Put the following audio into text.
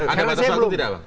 ada batas waktu tidak pak